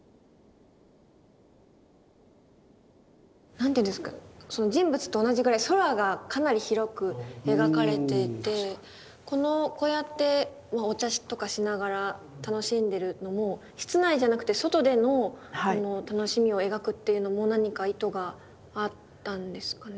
何ていうんですか人物と同じぐらい空がかなり広く描かれていてこのこうやってお茶とかしながら楽しんでるのも室内じゃなくて外での楽しみを描くっていうのも何か意図があったんですかね？